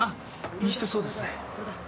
いい人そうですね？